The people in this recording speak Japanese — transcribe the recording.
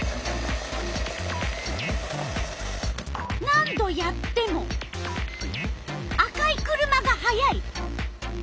何度やっても赤い車が速い！